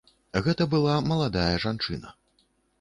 Гэта была маладая жанчына.